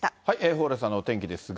蓬莱さんのお天気ですが。